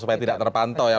supaya tidak terpantau ya